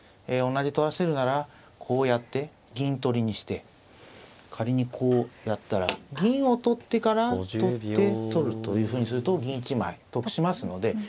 おんなじ取らせるならこうやって銀取りにして仮にこうやったら銀を取ってから取って取るというふうにすると銀一枚得しますので。